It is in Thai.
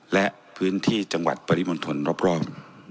และพื้นที่จังหวัดปริมณฑลรอบ